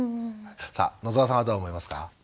さあ野沢さんはどう思いますか？